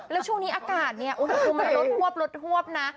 และช่วงนี้อากาศเนี่ยอุณหภูมิเล็ดหวบนะ